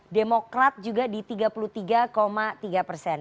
demokrat juga di tiga puluh tiga tiga persen